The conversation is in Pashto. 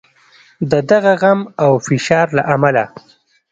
د دغه غم او فشار له امله.